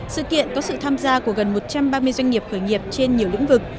sự kiện có sự tham gia của gần một trăm ba mươi doanh nghiệp khởi nghiệp trên nhiều lĩnh vực